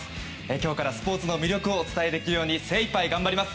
今日からスポーツの魅力をお伝えできるように精一杯、頑張ります